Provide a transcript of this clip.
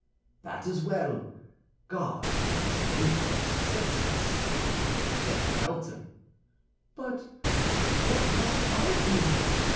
"That is well; God has made them senseless," said Felton. "But what must I do?"